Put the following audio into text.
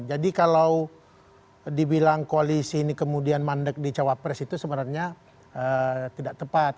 jadi kalau dibilang koalisi ini kemudian mandek di cawapres itu sebenarnya tidak tepat